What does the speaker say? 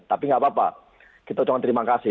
tapi nggak apa apa kita cuma terima kasih